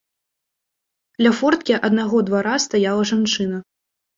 Ля форткі аднаго двара стаяла жанчына.